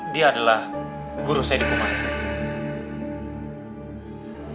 dia adalah guru saya di rumah